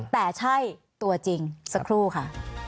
แต่ใช่ตัวจริงสักครู่ค่ะ